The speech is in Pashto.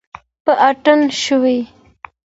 په اتڼ شوي